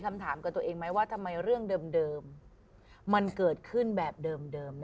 คำถามกับตัวเองไหมว่าทำไมเรื่องเดิมมันเกิดขึ้นแบบเดิม